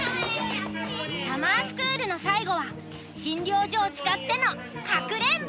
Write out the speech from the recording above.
サマースクールの最後は診療所を使ってのかくれんぼ。